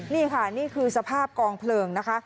นี่ค่ะนี่คือสภาพกองเพลิงนะคะ